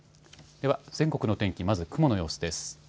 では全国の天気、まず雲の様子です。